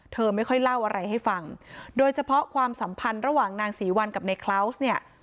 เธอไม่ค่อยเล่าอะไรให้ฟังโดยเฉพาะความสัมพันธ์ระหว่างนางศรีวัลกับในคลาวส์เนี่ย